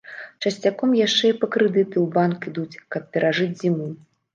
Часцяком яшчэ і па крэдыты ў банк ідуць, каб перажыць зіму.